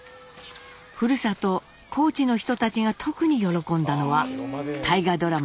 ふるさと高知の人たちが特に喜んだのは大河ドラマ